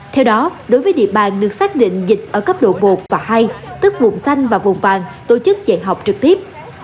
theo đó đối với địa bàn được xác định dịch ở cấp độ một và hai tức vùng xanh và vùng vàng tổ chức dạy học trực tiếp